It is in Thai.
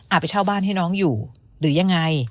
ไปเช่าบ้านให้น้องอยู่หรือยังไง